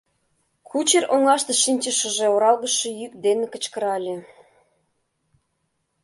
Кучер оҥаште шинчышыже оралгыше йӱк дене кычкырале: